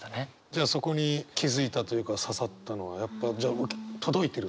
じゃあそこに気付いたというか刺さったのはやっぱじゃあ届いてるってことですね。